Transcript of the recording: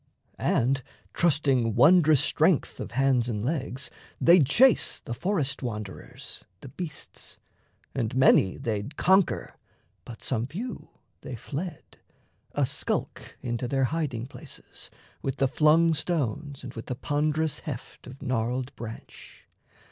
And trusting wondrous strength of hands and legs, They'd chase the forest wanderers, the beasts; And many they'd conquer, but some few they fled, A skulk into their hiding places... With the flung stones and with the ponderous heft Of gnarled branch.